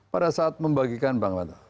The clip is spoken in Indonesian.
pada saat membagikan bang mada